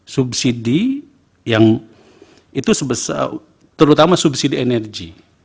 subsidi yang itu terutama subsidi energi